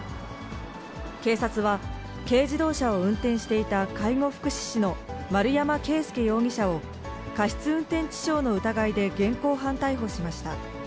警察は、軽自動車を運転していた介護福祉士の丸山啓介容疑者を、過失運転致傷の疑いで現行犯逮捕しました。